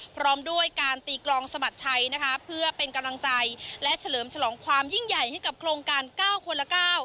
พร้อมด้วยการตีกลองสะบัดชัยนะคะเพื่อเป็นกำลังใจและเฉลิมฉลองความยิ่งใหญ่ให้กับโครงการ๙คนละ๙